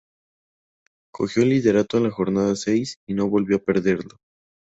Cogió el liderato en la jornada seis y no volvió a perderlo.